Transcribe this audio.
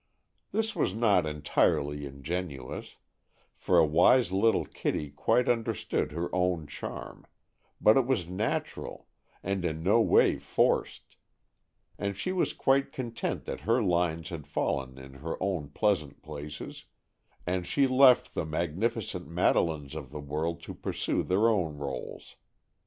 This was not entirely ingenuous, for wise little Kitty quite understood her own charm, but it was natural, and in no way forced; and she was quite content that her lines had fallen in her own pleasant places, and she left the magnificent Madeleines of the world to pursue their own rôles.